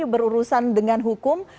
berurusan dengan hukum